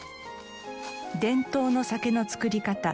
伝統の酒の造り方。